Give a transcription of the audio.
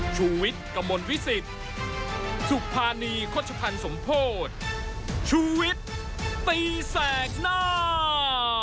ชีวิตกระมวลวิสิตสุภานีคชพรรณสงโพธชีวิตตีแสกหน้า